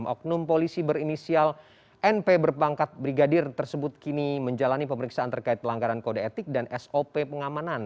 oknum polisi berinisial np berpangkat brigadir tersebut kini menjalani pemeriksaan terkait pelanggaran kode etik dan sop pengamanan